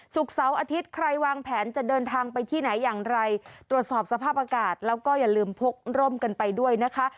เสาร์อาทิตย์ใครวางแผนจะเดินทางไปที่ไหนอย่างไรตรวจสอบสภาพอากาศแล้วก็อย่าลืมพกร่มกันไปด้วยนะคะ